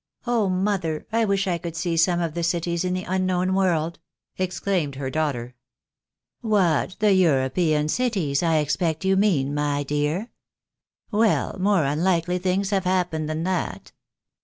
" Oh, mother ! I wish I could see some of the cities in the un known world !" exclaimed her daughter. "What, the European cities, I expect you mean, my dear? Well, more unlikely things have happened than that.